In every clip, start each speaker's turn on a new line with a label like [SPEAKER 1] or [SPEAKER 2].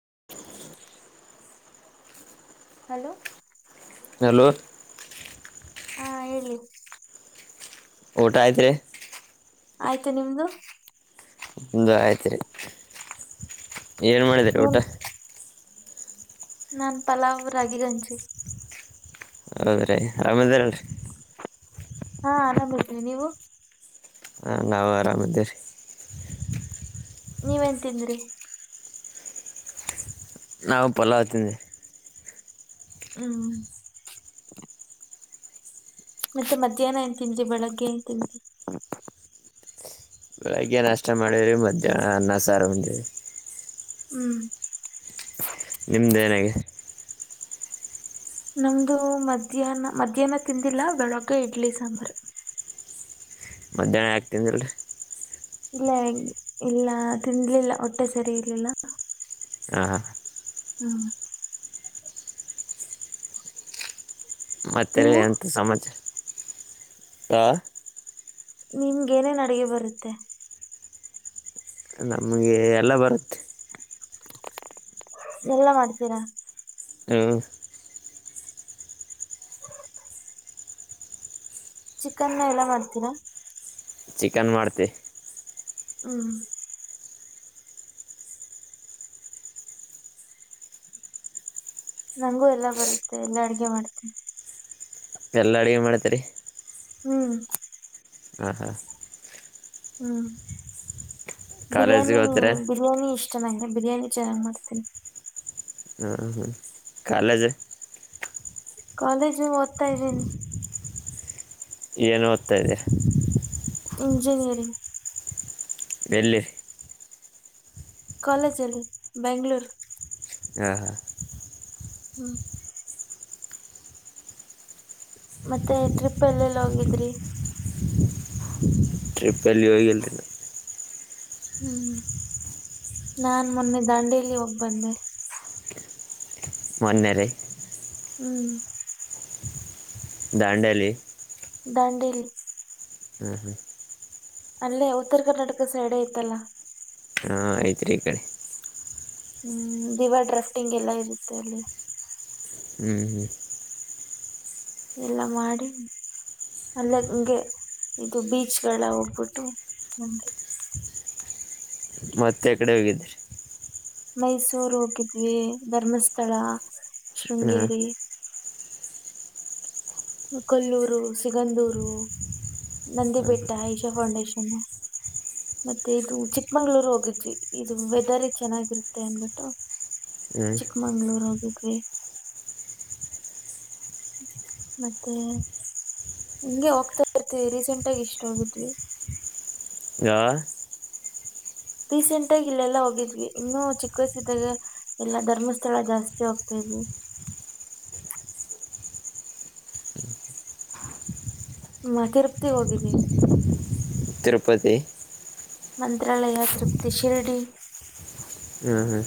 [SPEAKER 1] [inaudible]
[SPEAKER 2] Hello.
[SPEAKER 1] Hello.
[SPEAKER 2] ಹಾ ಹೇಳಿ.
[SPEAKER 1] ಊಟ ಆಯ್ತ ರಿ.
[SPEAKER 2] ಆಯ್ತು ನಿಮ್ದು.
[SPEAKER 1] ನಂದು ಆಯ್ತಿರಿ ಏನ್ ಮಾಡಿದರಿ
[SPEAKER 2] ಏನ್
[SPEAKER 1] ಊಟ
[SPEAKER 2] ನಾನ್ ಪಲಾವ್ ರಾಗಿ ಗಂಜಿ.
[SPEAKER 1] ಹೌದ್ರೀ ಆರಾಮದಾರಲ್ರಿ.
[SPEAKER 2] ಹಾ ಆರಾಮ್ ಅದೀವಿ ನೀವು.
[SPEAKER 1] ಹಾ ನಾವು ಆರಾಮದ ಅದೂರಿ.
[SPEAKER 2] ನೀವ ಏನ್ ತಿಂದ್ರಿ.
[SPEAKER 1] ನಾವ ಪಲಾವ್ ತಿಂದ್ವಿ.
[SPEAKER 2] ಹ್ಮ್. ಮತ್ತೆ ಮಧ್ಯಾಹ್ನ ಏನ್ ತಿಂದ್ರಿ ಬೆಳಗ್ಗೆ ಏನ್ ತಿಂದ್ರಿ.
[SPEAKER 1] ಬೆಳಿಗ್ಗೆ ನಾಷ್ಟಾ ಮಾಡವ್ರರಿ ಮಧ್ಯಾಹ್ನ ಅನ್ನ ಸಾರ ಉಂಡವಿ.
[SPEAKER 2] ಹ್ಮ್.
[SPEAKER 1] ನಿಮ್ದೇನಗೆ.
[SPEAKER 2] ನಮ್ದು ಮಧ್ಯಾಹ್ನ ಮಧ್ಯಾಹ್ನ ತಿಂದಿಲ್ಲ ಬೆಳಗ್ಗೆ ಇಡ್ಲಿ ಸಾಂಬಾರ್.
[SPEAKER 1] ಮಧ್ಯಾಹ್ನ ಯಾಕ್ ತಿಂದಿಲ್ರಿ.
[SPEAKER 2] ಇಲ್ಲ ಇಲ್ಲ ತಿನ್ಲಿಲ್ಲ ಹೊಟ್ಟೆ ಸರಿ ಇರ್ಲಿಲ್ಲ.
[SPEAKER 1] ಹಾ.
[SPEAKER 2] ಹ್ಮ್.
[SPEAKER 1] ಮತ್ತೇರಿ
[SPEAKER 2] ನೀವು
[SPEAKER 1] ಎಂಥ ಸಮಾಚರ
[SPEAKER 2] ನಿಮ್ಗೆ ಏನೇನ್ ಅಡಗೆ ಬರುತ್ತೆ.
[SPEAKER 1] ನಮ್ಗೆ ಎಲ್ಲ ಬರುತ್ತೆ.
[SPEAKER 2] ಎಲ್ಲಾ ಮಾಡ್ತೀರಾ.
[SPEAKER 1] ಹ್ಮ್.
[SPEAKER 2] ಚಿಕನ್ ಎಲ್ಲಾ ಮಾಡ್ತೀರಾ.
[SPEAKER 1] ಚಿಕನ್ ಮಾಡ್ತಿ.
[SPEAKER 2] ಹ್ಮ್ ನಂಗು ಎಲ್ಲಾ ಬರುತ್ತೆ ಎಲ್ಲಾ ಅಡ್ಗೆ ಮಾಡ್ತೀನಿ.
[SPEAKER 1] ಎಲ್ಲಾ ಅಡುಗೆ ಮಾಡ್ತೀರಿ.
[SPEAKER 2] ಹ್ಮ್
[SPEAKER 1] ಹಾ ಹಾ.
[SPEAKER 2] ಹ್ಮ್
[SPEAKER 1] ಕಾಲೇಜ್ಗೆ
[SPEAKER 2] ಬಿರಿಯಾನಿ
[SPEAKER 1] ಹೋಗ್ತೀರಾ
[SPEAKER 2] ಬಿರಿಯಾನಿ ಇಷ್ ಷ್ಟ ನಂಗೆ ಚೆನ್ನಾಗಿ ಬಿರಿಯಾನಿ ಚೆನ್ನಾಗಿ ಮಾಡ್ತೀನಿ.
[SPEAKER 1] ಹ್ಮ ಕಾಲೇಜು.
[SPEAKER 2] ಕಾಲೇಜ್ ಓದ್ತಾ ಇದ್ದೀನಿ.
[SPEAKER 1] ಏನು ಓದ್ತಾ ಇದ್ದೀಯ.
[SPEAKER 2] ಇಂಜಿನಿಯರಿಂಗ್.
[SPEAKER 1] ಎಲ್ಲಿ.
[SPEAKER 2] ಕಾಲೇಜಲ್ಲಿ ಬೆಂಗಳೂರು.
[SPEAKER 1] ಹಾ ಹಾ.
[SPEAKER 2] ಹ್ಮ್ ಮತ್ತೆ ಟ್ರಿಪ್ ಎಲ್ಲೆಲ್ಲಿ ಹೋಗಿದ್ರಿ.
[SPEAKER 1] ಟ್ರಿಪ್ ಅಲ್ಲಿ [unintelligible]
[SPEAKER 2] ಹ್ಮ್ ನಾನ್ ಮೊನ್ನೆ ದಾಂಡೇಲಿ ಹೋಗ್ ಬಂದೆ.
[SPEAKER 1] [inaudible] ಮಾನ್ಯರೇ.
[SPEAKER 2] ಹ್ಮ್
[SPEAKER 1] ದಾಂಡೇಲಿ.
[SPEAKER 2] ದಾಂಡೇಲಿ.
[SPEAKER 1] ಹ್ಮ ಹ.
[SPEAKER 2] ಅಲ್ಲೇ ಉತ್ತರ ಕರ್ನಾಟಕ ಸೈಡ್ ಐತಲ್ಲ.
[SPEAKER 1] ಹ್ಮ್ ಐತೆ ಐತೆ.
[SPEAKER 2] ಹ್ಮ್ ದೀವರ್ ಡ್ರಾಫ್ಟಿಂಗ್ ಎಲ್ಲಾ ಇರುತ್ತೆ ಅಲ್ವಾ.
[SPEAKER 1] ಹ್ಮ್ ಹ್ಮ್
[SPEAKER 2] ಇಲ್ಲಾ ಮಾಡಿನಿ. ಅಲ್ಲ ಹಂಗೆ ಇದು ಬೀಚ್ ಗಳ ಹೋಗ್ಬಿಟ್ಟು ಬಂದೆ.
[SPEAKER 1] ಮತ್ತೆ ಏಕಡೆ ಹೋಗಿದ್ರಿ.
[SPEAKER 2] ಮೈಸೂರು ಹೋಗಿದ್ವಿ ಧರ್ಮಸ್ಥಳ
[SPEAKER 1] ಹಾಂ
[SPEAKER 2] ಶೃಂಗೇರಿ ಕೊಲ್ಲೂರು ಸಿಗಂದೂರು ನಂದಿಬೆಟ್ಟ ಇಶಾ ಫೌಂಡೇಶನ್ನು ಮತ್ತೆ ಇದು ಚಿಕ್ಕಮಂಗ್ಳೂರು ಹೋಗಿದ್ವಿ ಇದು ವೆದರ್ ಚೆನ್ನಾಗಿರುತ್ತೆ ಅನ್ಬಿಟ್ಟು
[SPEAKER 1] ಹ್ಞೂ
[SPEAKER 2] ಚಿಕ್ಕಮಂಗಳೂರು ಹೋಗಿದ್ವಿ. ಮತ್ತೆ ಹಿಂಗೆ ಹೋಗ್ತಾ ಇರ್ತವಿ ರೀಸೆಂಟ್ ಆಗಿ ಎಷ್ಟ ಹೋಗಿದ್ವಿ.
[SPEAKER 1] ಯಾ.
[SPEAKER 2] ರೀಸೆಂಟ್ ಆಗಿ ಇಲ್ಲೆಲ್ಲಾ ಹೋಗಿದ್ವಿ ಇನ್ನು ಚಿಕ್ಕ ವಯಸಿದ್ದಾಗ ಎಲ್ಲಾ ಧರ್ಮಸ್ಥಳ ಜಾಸ್ತಿ ಹೋಗ್ತಾ ಇದ್ವಿ. ಹ್ಮ ಮ ತಿರುಪ್ತಿ ಹೋಗಿದ್ದೀವಿ.
[SPEAKER 1] ತಿರುಪತಿ.
[SPEAKER 2] ಮಂತ್ರಾಲಯ ತೃಪ್ತಿ ಶಿರ್ಡಿ
[SPEAKER 1] ಹ್ಮ್ ಹ್ಮ್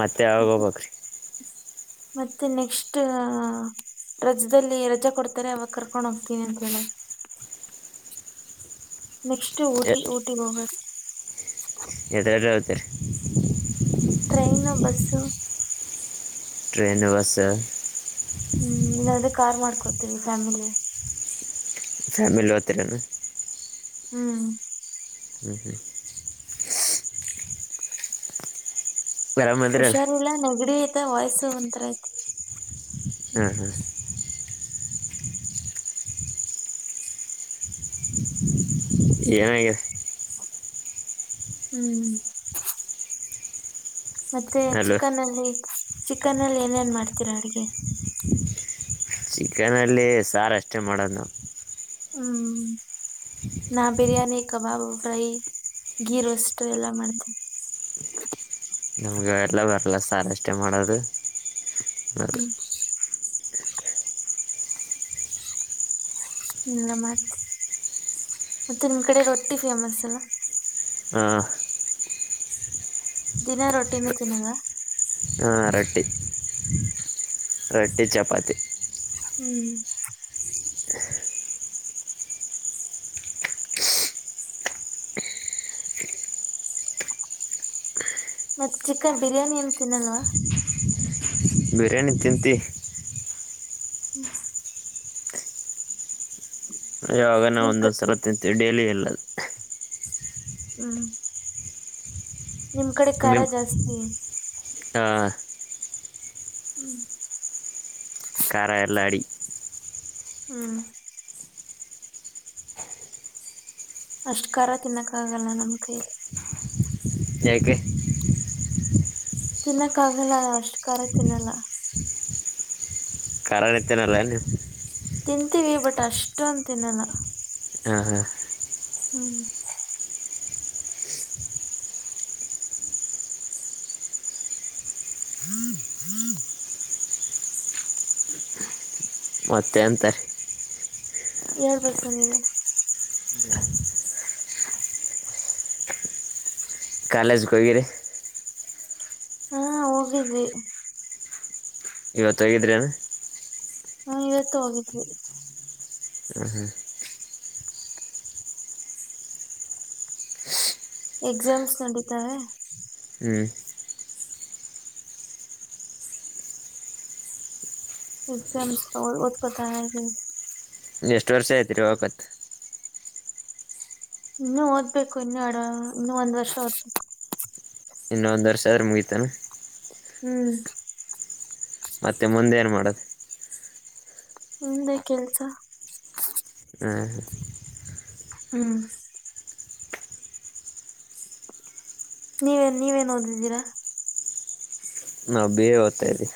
[SPEAKER 1] ಮತ್ತೆ ಯಾವಾಗ ಹೋಗಬೇಕು.
[SPEAKER 2] ಮತ್ತೆ ನೆಕ್ಸ್ಟ್ ರಜದಲ್ಲಿ ರಜಾ ಕೊಡ್ತಾರೆ ಅವಾಗ ಕರ್ಕೊಂಡ್ ಹೋಗ್ತೀನಿ ಅಂತ ಹೇಳ ನೆಕ್ಸ್ಟ್ಊಟಿ ಊಟಿಗ ಹೋಗೊದು.
[SPEAKER 1] [unintelligible]
[SPEAKER 2] Train bus.
[SPEAKER 1] Train bus.
[SPEAKER 2] ಹ್ಮ್ ಇಲ್ಲಾದ್ರೆ ಕಾರ್ ಮಾಡ್ಕೊತೀವಿ ಫ್ಯಾಮಿಲಿ.
[SPEAKER 1] ಫ್ಯಾಮಿಲಿ ಹೊತ್ರೆನ್.
[SPEAKER 2] ಹ್ಮ್
[SPEAKER 1] ಹ್ಮ್ ಹ್ಮ್.
[SPEAKER 2] [inaudible]
[SPEAKER 1] ಆರಾಮದ್ರಲ್ಲ
[SPEAKER 2] ಹುಷಾರಿಲ್ಲ ನೆಗಡಿ ಇತ ವಾಯಿಸ್ಸು ಒನ್ ತರ ಐತಿ.
[SPEAKER 1] ಹ್ಮ್ ಹ್ಮ್. ಏನಾಗಿ
[SPEAKER 2] ಹ್ಮ್. ಮತ್ತೆ
[SPEAKER 1] ಅಲ್ಲೋ
[SPEAKER 2] ಚಿಕನ್ ಅಲ್ಲಿ ಚಿಕನ್ ಅಲ್ಲಿ ಏನೇನ್ ಮಾಡ್ತೀರ ಅಡ್ಗೆ.
[SPEAKER 1] ಚಿಕನಲ್ಲಿ ಸಾರ ಅಷ್ಟೇ ಮಾಡೋದ್ ನಾವು.
[SPEAKER 2] ಹ್ಮ್. ನಾ ಬಿರಿಯಾನಿ ಕಬಾಬ್ ಫ್ರೈ ಗಿ ರೋಸ್ಟ್ ಎಲ್ಲ ಮಾಡ್ತಿನಿ. [inaudible]
[SPEAKER 1] ನಮ್ಗೆ ಎಲ್ಲ ಬರಲ್ಲ ಸಾರ್ ಅಷ್ಟೇ ಮಾಡೋದು. ಅದು
[SPEAKER 2] ಹ್ಮ್. ನಲ್ಲ ಮಾರ್ಚ. ಮತ್ತೆ ನಿಮ್ ಕಡೆ ರೊಟ್ಟಿ ಫೇಮಸ್ ಅಲ್ಲ.
[SPEAKER 1] ಆ.
[SPEAKER 2] ದಿನ ರೊಟ್ಟಿನೆ ತಿನ್ನದಾ.
[SPEAKER 1] ಹಾ ರಟ್ಟಿ ರಟ್ಟಿ ಚಪಾತಿ.
[SPEAKER 2] ಹ್ಮ್. ಮತ್ ಚಿಕನ್ ಬಿರಿಯಾನಿ ಎನ್ ತಿನ್ನಲ್ವಾ.
[SPEAKER 1] ಬಿರಿಯಾನಿ ತಿಂತಿ.
[SPEAKER 2] ಹ್ಮ್.
[SPEAKER 1] ಯವಾಗನ
[SPEAKER 2] ನಿಮ್
[SPEAKER 1] ಒಂದು
[SPEAKER 2] ಕ
[SPEAKER 1] ಸಲ ತಿಂತೀವಿ ಡೇಲಿ ಇಲ್ಲ.
[SPEAKER 2] ಹ್ಮ್. ನಿಮ್ ಕಡೆ ಖಾರ
[SPEAKER 1] ನಿಮ್
[SPEAKER 2] ಜಾಸ್ತಿ
[SPEAKER 1] ಆ.
[SPEAKER 2] ಹ್ಮ್.
[SPEAKER 1] ಕರಾ ಎಲ್ಲಾಡಿ.
[SPEAKER 2] ಹ್ಮ್.
[SPEAKER 1] [inaudible]
[SPEAKER 2] ಅಷ್ಟ್ ಕರಾ ತಿನ್ನಕ್ಕಗಲ್ಲ ನಮ್ ಕೈಲಿ.
[SPEAKER 1] ಯಕೇ.
[SPEAKER 2] ತಿನ್ನಕ್ಕ ಆಗಲ್ಲ ಅಷ್ಟು ಕರಾ ತಿನ್ನಲ್ಲಾ.
[SPEAKER 1] ಕಾರಾನೆ ತಿನ್ನಲ್ಲೆನ್ ನಿನ್.
[SPEAKER 2] ತಿಂತೀವಿ ಬಟ್ ಅಷ್ಟೊಂದ್ ತಿನ್ನಲ್ಲಾ.
[SPEAKER 1] ಹಾ ಹಾ.
[SPEAKER 2] ಹ್ಮ.
[SPEAKER 1] [inaudible] ಮತ್ತೆ ಯೆಂತ.
[SPEAKER 2] ಹೇಳ್ಬೇಕು ನೀವೇ.
[SPEAKER 1] [inaudible]
[SPEAKER 2] [inaudible]
[SPEAKER 1] ಕಾಲೇಜ್ಕ ಕೊಗಿರೀ.
[SPEAKER 2] ಹಾ ಹೋಗಿದ್ವಿ.
[SPEAKER 1] ಇವತ್ತು ಹೋಗಿದ್ರಿನು.
[SPEAKER 2] ಹಾ ಇವತ್ತು ಹೋಗಿದ್ವಿ.
[SPEAKER 1] ಹ ಹಾ.
[SPEAKER 2] ಎಕ್ಸಾಮ್ಸ್ ನಡೀತಾವೆ.
[SPEAKER 1] ಹ್ಮ್.
[SPEAKER 2] ಎಕ್ಸಾಮ್ಸ ಪಹೊ ಹೊದ್ಕೊತಾ ಇದ್ದೆ.
[SPEAKER 1] ಎಷ್ಟು ವರ್ಷ ಐತ್ರಿ ಒವಕತ್.
[SPEAKER 2] ಇನ್ನು ಓದ್ಬೇಕು ಇನ್ನು ಎರ್ಡ ಇನ್ನು ಒಂದ್ ವರ್ಷ ಹ
[SPEAKER 1] ಇನ್ನೊ ಒಂದ್ ವರ್ಷ ಅದ್ರ ಮುಗೀತನ್.
[SPEAKER 2] ಹ್ಮ್.
[SPEAKER 1] ಮತ್ತೆ ಮುಂದೆ ಏನು ಮಾಡದ್.
[SPEAKER 2] ಮುಂದೇ ಕೆಲ್ಸ.
[SPEAKER 1] ಹ್ಮು.
[SPEAKER 2] ಹ್ಮ್. ನೀವೇನ್ ನೀವೇನ್ ಓದಿದಿರಾ.
[SPEAKER 1] ನಾವ್ ಬಿ ಎ ಒತ್ತಾಇದಿವಿ.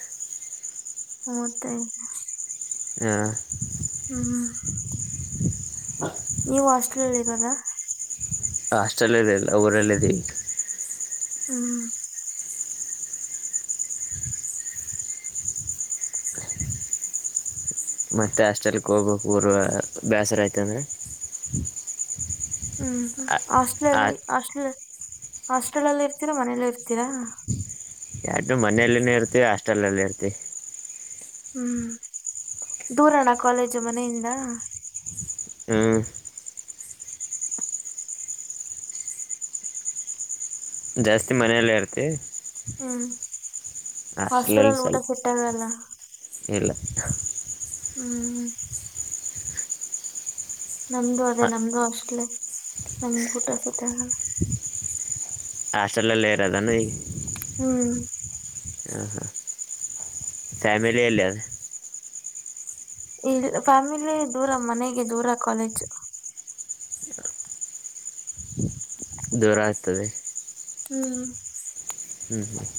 [SPEAKER 2] ಮುತ್ತೖ.
[SPEAKER 1] ಯಾ.
[SPEAKER 2] ಹ್ಮ್.
[SPEAKER 1] [inaudible]
[SPEAKER 2] ನೀವು ಹಾಸ್ಟೆಲ್ಲಿ ಇರದಾ.
[SPEAKER 1] ಹಸ್ಟಲ್ಲಲ್ಲಿ ಇಲ್ಲಾ ಊರಲ್ಲಿದಿವಿ.
[SPEAKER 2] ಹ್ಮ್.
[SPEAKER 1] ಮತ್ತೆ ಆಸ್ಟೆಲ್ಕ್ ಹೋಗ್ಬೇಕ್ ಊರ ಬ್ಯಸರ ಆಯ್ತ ಅಂದ್ರ.
[SPEAKER 2] ಹ್ಮ್ ಹ್ಮ್ ಹಾಸ್ಟಲಲ್ಲಿ ಹಸ್ಟ್ಳ ಹಾಸ್ಟೆಲಲ್ಲಿ ಇರ್ತೀರಾ ಮನೇಲ್ಲೆ ಇರ್ತೀರಾ.
[SPEAKER 1] ಯಾತಿ ಮನೇೆಯಲ್ಲಿನ ಇರ್ತಿವಿ ಹಾಸ್ಟೆಲ್ ಅಲ್ಲಿ ಇರ್ತಿವಿ.
[SPEAKER 2] ಹ್ಮ್ ದೂರಣ ಕಾಲೇಜು ಮನೆಯಿಂದ.
[SPEAKER 1] ಹ್ಮ್. ಜಾಸ್ತಿ ಮನೆಯಲ್ಲೇ ಇರ್ತಿ.
[SPEAKER 2] ಹ್ಮ್.
[SPEAKER 1] ಹಷ್ಟಲಲ್ಲಿ
[SPEAKER 2] ಹಾಸ್ಟೆಲಲ್ಲಿ ಊಟ
[SPEAKER 1] ಸ್ವಲ್ಪ್
[SPEAKER 2] ಸೆಟ್ ಆಗಲ್ಲ.
[SPEAKER 1] ಇಲ್ಲ.
[SPEAKER 2] ಹ್ಮ್. ನಮ್ದು ಅದೇ ನಮ್ದು ಅಷ್ಟಲೇ ನಮ್ ಊಟ ಸೆಟ್ ಅಗಲ್ಲ.
[SPEAKER 1] ಹಾಸ್ಟಲಲ್ಲಿ ಇರದನ್ ಇಗ್
[SPEAKER 2] ಹ್ಮ್.
[SPEAKER 1] ಹ್ಮ್ ಹ್ಮ್. ಫ್ಯಾಮಿಲಿ ಎಲ್ಯದ್.
[SPEAKER 2] ಇ ಫ್ಯಾಮಿಲಿ ದೂರ ಮನೆಗೆ ದೂರ ಕ್ವಲೇಜ್.
[SPEAKER 1] ದೂರ ಆಗ್ತದೆ.
[SPEAKER 2] ಹ್ಮ್.
[SPEAKER 1] ಹ್ಮ್ ಹ್ಮ್.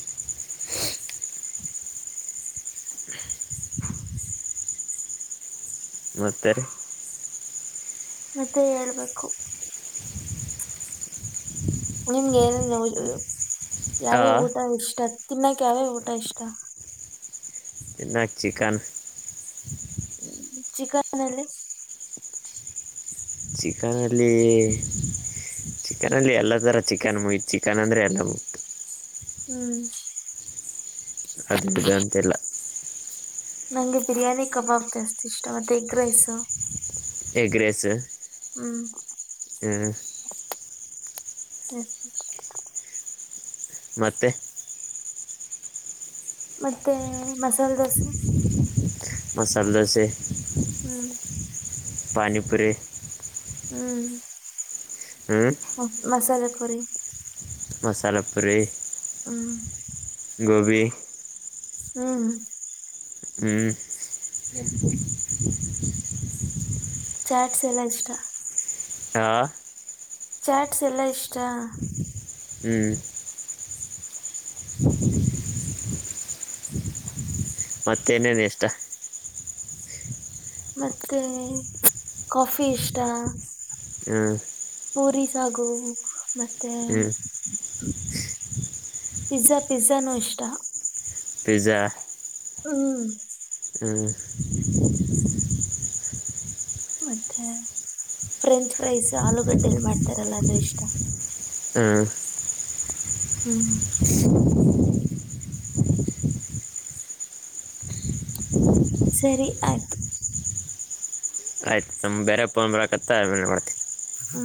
[SPEAKER 1] ಮತ್ತೇ.
[SPEAKER 2] ಮತ್ತೆ ಹೇಳ್ಬೇಕು. ನಿಮ್ಗೆ ಏನ ನ ಯಾವ್ ಯಾವ್
[SPEAKER 1] ಹಾಂ
[SPEAKER 2] ಊಟ ಇಷ್ಟ ತಿನ್ನಕ್ ಯಾವ್ ಯಾವ್ ಊಟ ಇಷ್ಟ.
[SPEAKER 1] ನಾನ್ ಚಿಕನ್.
[SPEAKER 2] ಚಿಕನ್ ಅಲ್ಲಿ.
[SPEAKER 1] ಚಿಕನ್ ಅಲ್ಲಿ. ಚಿಕನ್ ಅಲ್ಲಿ ಎಲ್ಲ ತರ ಚಿಕನ್ ಮುಯ ಚಿಕನ್ ಅಂದ್ರೆ ಎಲ್ಲವು.
[SPEAKER 2] ಹ್ಮ್
[SPEAKER 1] ಅಮುಕ್ ಇದು ಅಂತಿಲ್ಲ.
[SPEAKER 2] ನಂಗೆ ಬಿರಿಯಾನಿ ಕಬಾಬ್ ಜಾಸ್ತಿ ಇಷ್ಟ ಮತ್ತೆ ಎಗ್ ರೈಸ್.
[SPEAKER 1] ಎಗ್ರೆೇಸ್.
[SPEAKER 2] ಹ್ಮ್
[SPEAKER 1] ಮತ್ತೆ
[SPEAKER 2] ಮತ್ತೆ ಮಸಾಲದೋಸೆ.
[SPEAKER 1] ಮಸಾಲೆ ದೋಸೆ,
[SPEAKER 2] ಹ್ಮ್
[SPEAKER 1] ಪಾನಿಪುರಿ
[SPEAKER 2] ಹ್ಮ್
[SPEAKER 1] ಹ್ಮ್
[SPEAKER 2] ಹಾ ಮಸಾಲೆ ಪುರಿ.
[SPEAKER 1] ಮಸಾಲಾ ಪುರಿ.
[SPEAKER 2] ಹ್ಮ್
[SPEAKER 1] ಗೋಭಿ.
[SPEAKER 2] ಹ್ಮ್
[SPEAKER 1] ಹ್ಮ್ [unintelligible]
[SPEAKER 2] ಚಾಟ್ಸ್ ಎಲ್ಲ ಇಷ್ಟ.
[SPEAKER 1] ಹಾ
[SPEAKER 2] ಚಾಟ್ಸ್ ಎಲ್ಲ ಇಷ್ಟ.
[SPEAKER 1] ಹ್ಮ್ ಮತ್ತೇನೇನ್ ಇಷ್ಟ.
[SPEAKER 2] ಮತ್ತೆ ಕಾಫಿ ಇಷ್ಟ.
[SPEAKER 1] ಹ್ಮ
[SPEAKER 2] ಪೂರಿ ಸಾಗು ಮತ್ತೆ.
[SPEAKER 1] ಹ್ಞೂ
[SPEAKER 2] ಪಿಜ್ಜಾ ಪಿಜ್ಜಾ ನು ಇಷ್ಟ.
[SPEAKER 1] ಪಿಜ್ಜಾ.
[SPEAKER 2] ಹ್ಮ್
[SPEAKER 1] ಹ್ಮ
[SPEAKER 2] ಮತ್ತೆ ಫ್ರೆಂಚ್ ಫ್ರೈಸ್ ಆಲೂಗಡ್ಡೆಲಿ ಮಾಡ್ತಾರಲ್ಲ ಅದು ಇಷ್ಟ.
[SPEAKER 1] ಹು
[SPEAKER 2] ಹ್ಮ್
[SPEAKER 1] [inaudible]
[SPEAKER 2] ಸರಿ ಆಯ್ತು.
[SPEAKER 1] ಆಯ್ತು [unintelligible] ಬೇರೆ ಪೊನ್ ಬಳಕತ್ತ ಅಮೆಲ್ ಮಾಡ್ತಿನಿ.
[SPEAKER 2] ಹ್ಮ